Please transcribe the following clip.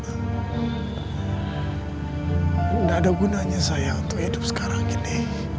gak ada gunanya saya untuk hidup sekarang gini